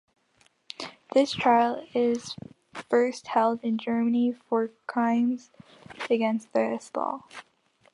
Their trial is the first held in Germany for crimes against this law.